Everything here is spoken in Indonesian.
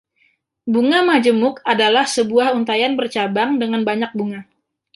Bunga majemuk adalah sebuah untaian bercabang dengan banyak bunga.